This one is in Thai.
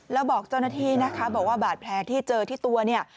แล้วบอกเจ้าหน้าที่นะคะบอกว่าบาดแผลที่เจอที่ตัวเนี่ย